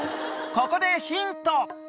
［ここでヒント］